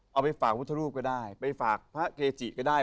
เอาไปฝากพุทธรูปก็ได้ไปฝากพระเกจิก็ได้